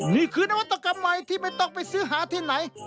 นี่คือนวัตกรรมใหม่ที่ไม่ต้องไปซื้อหาที่ไหน